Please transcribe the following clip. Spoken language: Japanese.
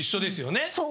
そう。